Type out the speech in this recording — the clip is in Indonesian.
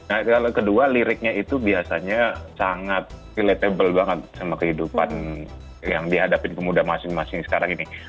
nah kedua liriknya itu biasanya sangat relatable banget sama kehidupan yang dihadapi ke muda masing masing sekarang ini